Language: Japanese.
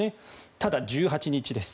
ただ、１８日です。